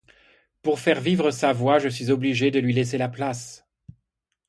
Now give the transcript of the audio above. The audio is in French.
Pour faire vivre sa voix, je suis obligé de lui laisser la place.